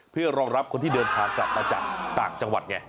เพื่อรองรับคนที่เดินทางกลับมาจากต่างจังหวัดไง